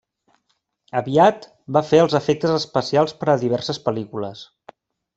Aviat va fer els efectes especials per a diverses pel·lícules.